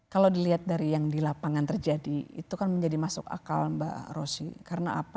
kalau dilihat dari yang di lapangan terjadi itu kan menjadi masuk akal mbak rosy karena apa